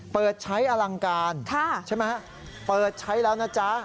เปิดใช้อลังการใช่ไหมฮะเปิดใช้แล้วนะจ๊ะ